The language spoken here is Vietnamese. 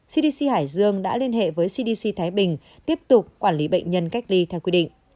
cdc hải dương đã liên hệ với cdc thái bình tiếp tục quản lý bệnh nhân cách ly theo quy định